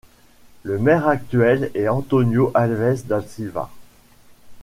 Le maire actuel est Antonio Alves da Silva.